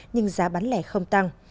nhưng giá bán lẻ không tăng